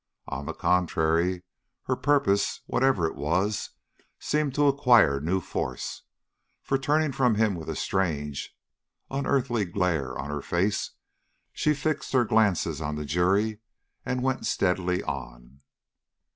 On the contrary, her purpose, whatever it was, seemed to acquire new force, for turning from him with a strange, unearthly glare on her face, she fixed her glances on the jury and went steadily on.